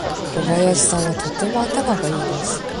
小林さんはとても頭がいいです。